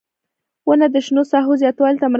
• ونه د شنو ساحو زیاتوالي ته مرسته کوي.